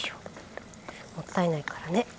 もったいないからね